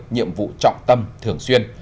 nhiệm vụ trọng tâm thường xuyên